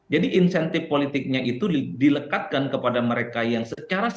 jadi insentif politiknya itu dilekatkan kepada mereka yang secara serius